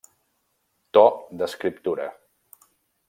To d'escriptura: